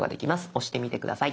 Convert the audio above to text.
押してみて下さい。